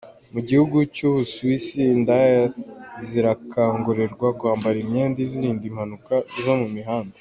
Mu gihugu cyu Busiwisi indaya zirakangurirwa kwambara imyenda izirinda impanuka zo mu mihanda.